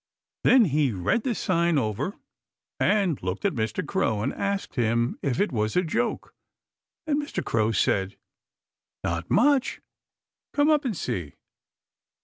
Then he read the sign over and looked at Mr. Crow and asked him if it was a joke. And Mr. Crow said: "Not much! Come up and see."